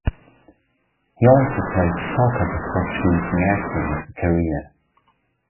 He also played soccer before choosing acting as a career.